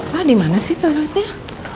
pak dimana sih tarotnya